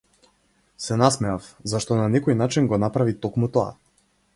Се насмеав, зашто на некој начин го направи токму тоа.